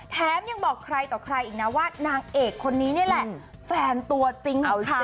แถมยังบอกใครต่อใครอีกนะว่านางเอกคนนี้นี่แหละแฟนตัวจริงของเขา